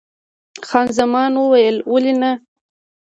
خان زمان وویل: ولې نه؟